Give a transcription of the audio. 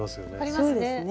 そうですね。